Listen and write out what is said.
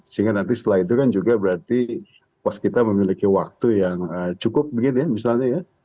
sehingga nanti setelah itu kan juga berarti waskita memiliki waktu yang cukup begitu ya misalnya ya